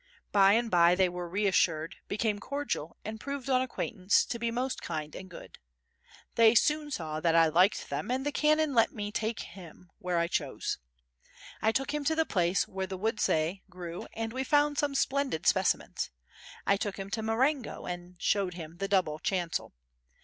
By and by they were reassured, became cordial and proved on acquaintance to be most kind and good. They soon saw that I liked them, and the canon let me take him where I chose. I took him to the place where the Woodsias grow and we found some splendid specimens. I took him to Mairengo and showed him the double chancel.